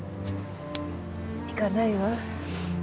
行かないわ。